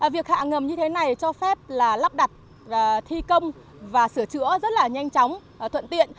việc hạ ngầm như thế này cho phép là lắp đặt thi công và sửa chữa rất là nhanh chóng thuận tiện